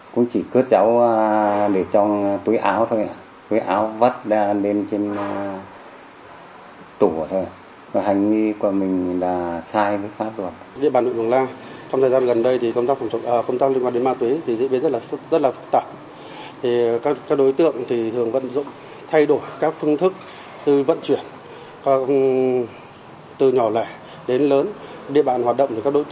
các đối tượng thường vận dụng thay đổi các phương thức từ vận chuyển từ nhỏ lẻ đến lớn địa bàn hoạt động